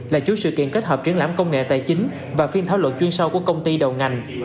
là chuỗi sự kiện kết hợp triển lãm công nghệ tài chính và phiên thảo luận chuyên sâu của công ty đầu ngành